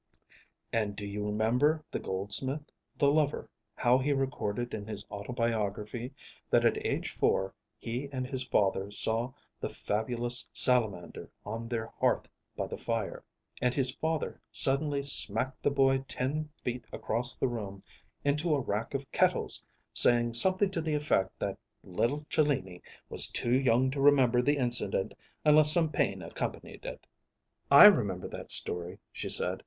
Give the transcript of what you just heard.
"And do you remember the goldsmith, the lover, how he recorded in his autobiography that at age four, he and his father saw the Fabulous Salamander on their hearth by the fire; and his father suddenly smacked the boy ten feet across the room into a rack of kettles, saying something to the effect that little Cellini was too young to remember the incident unless some pain accompanied it." "I remember that story," she said.